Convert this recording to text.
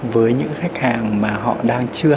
với những khách hàng mà họ đang chưa hay